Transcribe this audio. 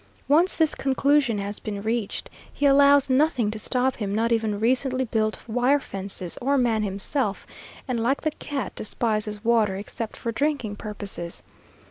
Once this conclusion has been reached, he allows nothing to stop him, not even recently built wire fences or man himself, and like the cat despises water except for drinking purposes.